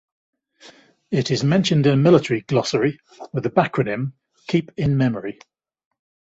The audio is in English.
It is mentioned in a military glossary with the backronym "Keep In Memory".